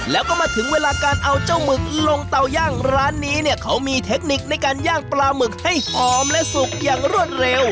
แล้วก็มาถึงเวลาการเอาเจ้าหมึกลงเตาย่างร้านนี้เนี่ยเขามีเทคนิคในการย่างปลาหมึกให้หอมและสุกอย่างรวดเร็ว